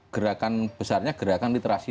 gerakan besarnya gerakan literasi